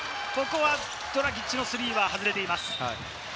ドラギッチのスリーは外れています。